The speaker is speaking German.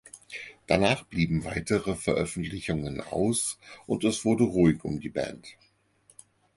Danach blieben weitere Veröffentlichungen aus und es wurde ruhig um die Band.